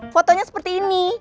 fotonya seperti ini